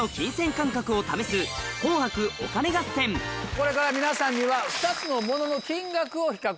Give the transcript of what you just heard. これから皆さんには。